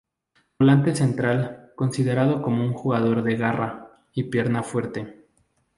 Volante central, considerado como un jugador de "garra" y "pierna fuerte".